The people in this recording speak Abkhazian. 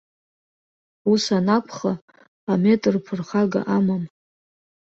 Ус анакәха, аметр ԥырхага амам.